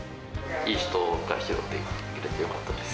いい人が拾ってくれてよかったです。